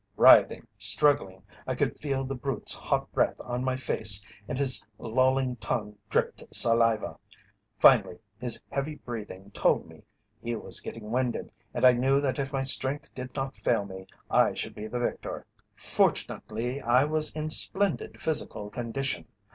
Writhing, struggling, I could feel the brute's hot breath on my face and his lolling tongue dripped saliva. Finally, his heavy breathing told me he was getting winded, and I knew that if my strength did not fail me I should be the victor. Fortunately, I was in splendid physical condition.